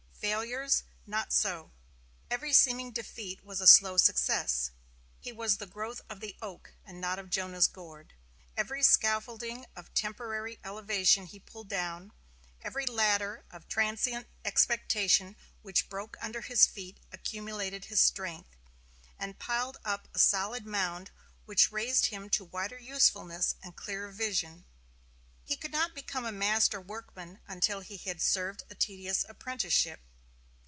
Failures? Not so. Every seeming defeat was a slow success. His was the growth of the oak, and not of Jonah's gourd. Every scaffolding of temporary elevation he pulled down, every ladder of transient expectation which broke under his feet accumulated his strength, and piled up a solid mound which raised him to wider usefulness and clearer vision. He could not become a master workman until he had served a tedious apprenticeship.